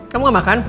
kamu gak makan